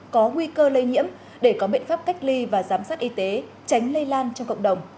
có nguy cơ lây nhiễm để có biện pháp cách ly và giám sát y tế tránh lây lan trong cộng đồng